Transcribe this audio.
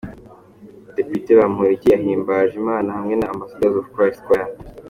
Depite Bamporiki yahimbaje Imana hamwe na Ambassadors of Christ choir.